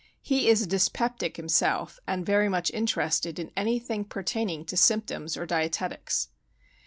He is a dyspeptic, himself, and very much interested in anything pertaining to symptoms or dietetics.